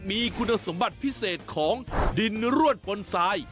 มีคุณสมบัติพิเศษของดินรวดปนทราย